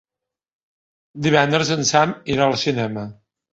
Divendres en Sam irà al cinema.